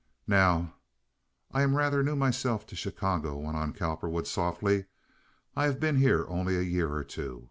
"Now, I am rather new myself to Chicago," went on Cowperwood, softly. "I have been here only a year or two.